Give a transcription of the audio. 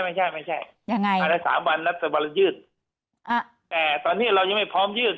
ไม่ใช่ยังไงสามวันนับสบรรยื่นอ่ะแต่ตอนนี้เรายังไม่พร้อมยื่น